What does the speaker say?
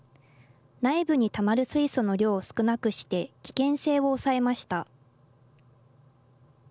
内部にたまる水素の量を少なくして、危険性を抑えました。